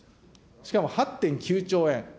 しかも８．９兆円。